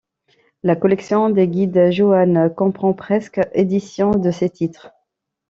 La collection des Guides Joanne comprend presque éditions de ses titres.